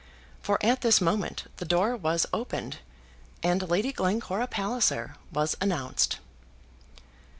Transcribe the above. For at this moment the door was opened, and Lady Glencora Palliser was announced.